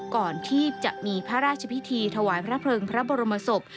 ก่อนที่จะมีพระราชพิธีถวายพระเพลิงพระบรมศพ